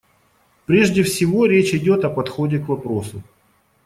Прежде всего речь идет о подходе к вопросу.